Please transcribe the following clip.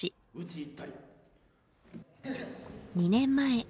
２年前。